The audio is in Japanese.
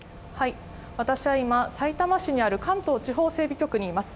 私は今、さいたま市にある関東地方整備局にいます。